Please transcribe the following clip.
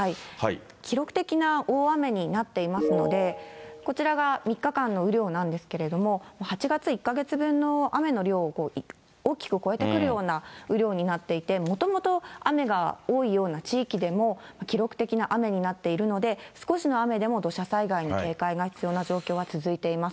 記録的な大雨になっていますので、こちらが３日間の雨量なんですけれども、８月１か月分の雨の量を大きく超えてくるような雨量になっていて、もともと雨が多いような地域でも、記録的な雨になっているので、少しの雨でも土砂災害に警戒が必要な状況は続いています。